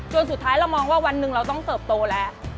สุดท้ายเรามองว่าวันหนึ่งเราต้องเติบโตแล้ว